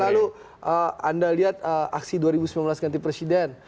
lalu anda lihat aksi dua ribu sembilan belas ganti presiden